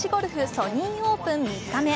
ソニーオープン３日目。